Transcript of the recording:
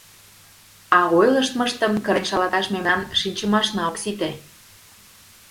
А ойлыштмыштым кырен шалаташ мемнан шинчымашна ок сите.